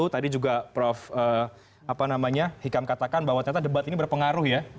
tadi juga prof hikam katakan bahwa ternyata debat ini berpengaruh ya